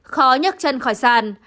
khó nhấc chân khỏi sàn